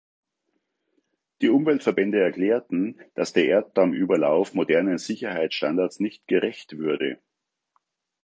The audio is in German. Die Umweltverbände erklärten, dass der Erddamm-Überlauf modernen Sicherheitsstandards nicht gerecht würde.